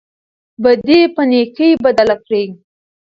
بدي په نېکۍ بدله کړئ.